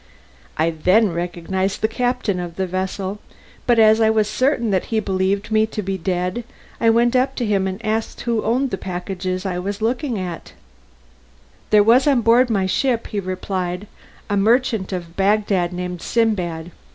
I then recognised the captain of the vessel, but as I was certain that he believed me to be dead, I went up to him and asked who owned the packages that I was looking at. "There was on board my ship," he replied, "a merchant of Bagdad named Sindbad.